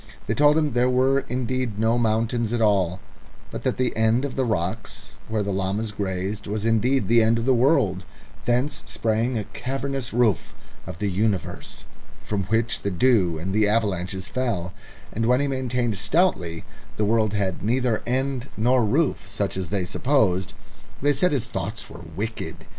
They told him there were indeed no mountains at all, but that the end of the rocks where the llamas grazed was indeed the end of the world; thence sprang a cavernous roof of the universe, from which the dew and the avalanches fell; and when he maintained stoutly the world had neither end nor roof such as they supposed, they said his thoughts were wicked.